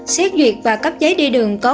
xét duyệt và cấp giấy đi đường có